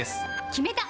決めた！